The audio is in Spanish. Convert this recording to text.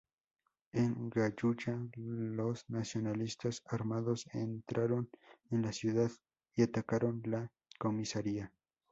En Jayuya, los nacionalistas armados entraron en la ciudad y atacaron la comisaría.